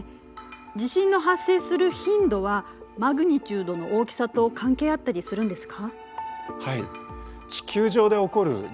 地震の発生する頻度はマグニチュードの大きさと関係あったりするんですか？